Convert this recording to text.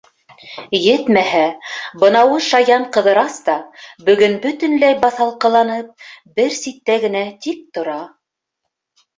Етмәһә, бынауы шаян Ҡыҙырас та, бөгөн бөтөнләй баҫалҡыланып, бер ситтә генә тик тора.